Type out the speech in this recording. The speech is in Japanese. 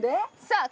さあ